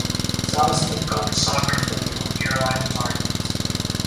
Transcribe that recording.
Salas played college soccer for the North Carolina Tar Heels.